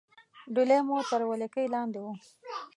ډهلی مو تر ولکې لاندې وو.